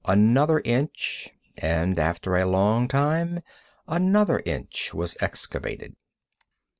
Another inch, and after a long time another inch was excavated.